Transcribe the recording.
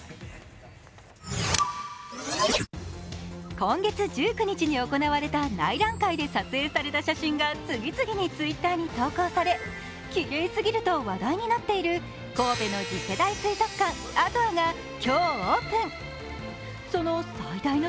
今月１９日に行われた内覧会で撮影された写真が次々にＴｗｉｔｔｅｒに投稿され、きれいすぎると話題になっている神戸の次世代水族館、ａｔｏａが今日オープン。